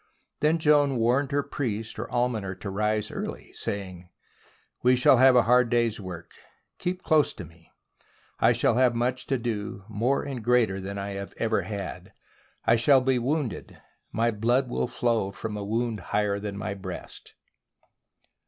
Then Joan warned her priest or almoner to rise early, saying: " We shall have a hard day's work. Keep close to me, I shall have much to do; more and greater than I have ever had. I shall be wounded, my blood will flow from a wound higher than my breast."